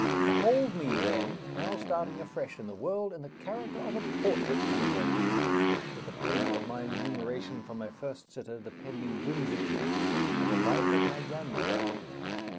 Behold me, then, now starting afresh in the world, in the character of a portrait painter; with the payment of my remuneration from my first sitter depending whimsically on the life of my grandmother.